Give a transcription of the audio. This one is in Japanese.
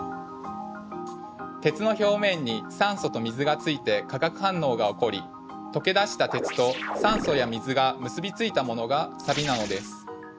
鉄の表面に酸素と水がついて化学反応が起こり溶け出した鉄と酸素や水が結び付いたものがサビなのです。